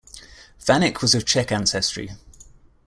Vanik was of Czech ancestry.